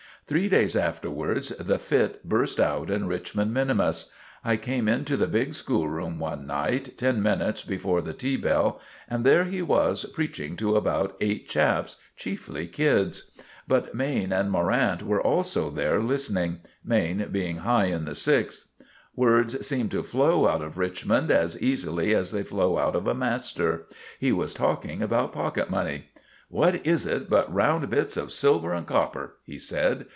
Three days afterwards the fit burst out in Richmond minimus. I came into the big school room one night, ten minutes before the tea bell, and there he was preaching to about eight chaps, chiefly kids! But Mayne and Morant were also there listening, Mayne being high in the sixth. Words seemed to flow out of Richmond as easily as they flow out of a master! He was talking about pocket money. "What is it but round bits of silver and copper?" he said.